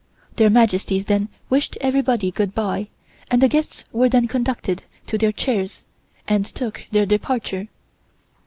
Their Majesties then wished everybody good bye and the guests were then conducted to their chairs and took their departure.